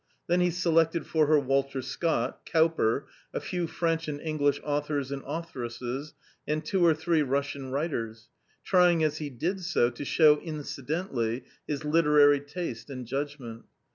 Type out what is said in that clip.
Then he selected for her Walter Scott, Cowper, a few French and English authors and authoresses, and two or three Russian writers, trying as he did so to show incidentally his literary taste and judgment.